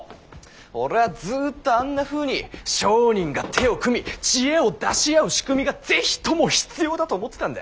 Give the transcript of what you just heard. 俺はずっとあんなふうに商人が手を組み知恵を出し合う仕組みが是非とも必要だと思ってたんだ。